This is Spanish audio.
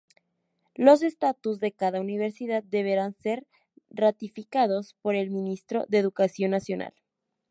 Los estatutos de cada universidad deberán ser ratificados por el ministro de Educación nacional.